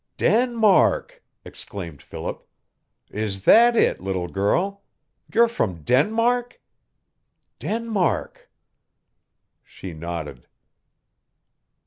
"Denmark!" exclaimed Philip. "Is that it, little girl? You're from Denmark? Denmark!" She nodded.